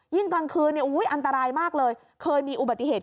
กลางคืนอันตรายมากเลยเคยมีอุบัติเหตุ